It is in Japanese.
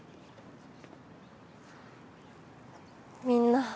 みんな。